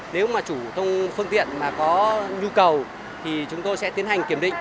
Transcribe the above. nếu mà chủ phương tiện mà có nhu cầu thì chúng tôi sẽ tiến hành kiểm định